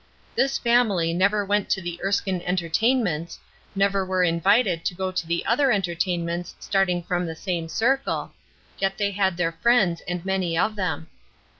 This family never went to the Erskine entertainments, never were invited to go to the other entertainments starting from the same circle, yet they had their friends and many of them.